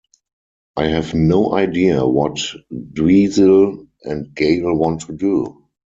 I have no idea what Dweezil and Gail want to do.